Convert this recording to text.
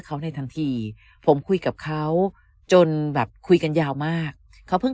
เขาในทันทีผมคุยกับเขาจนแบบคุยกันยาวมากเขาเพิ่ง